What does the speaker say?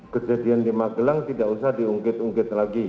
kejadian di magelang tidak usah diungkit ungkit lagi